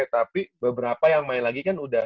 tapi beberapa yang main lagi kan udah